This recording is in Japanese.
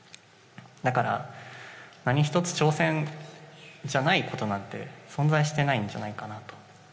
だから、何１つ挑戦じゃないことなんて存在してないんじゃないかなと。